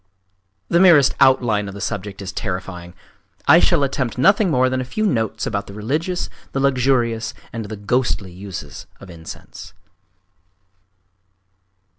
….The merest outline of the subject is terrifying! I shall attempt nothing more than a few notes about the religious, the luxurious, and the ghostly uses of incense.